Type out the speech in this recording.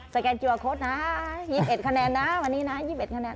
สแกนเกียรติภาคโค้ดนะ๒๑คะแนนนะวันนี้นะ๒๑คะแนน